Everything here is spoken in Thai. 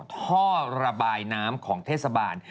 ท่อระบายน้ำของเทศบาล